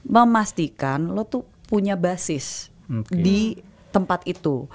memastikan lo tuh punya basis di tempat itu